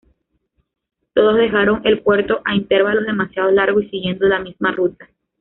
Todos dejaron el puerto a intervalos demasiado largos y siguiendo la misma ruta.